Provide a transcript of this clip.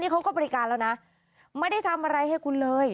เขาก็บริการแล้วนะไม่ได้ทำอะไรให้คุณเลย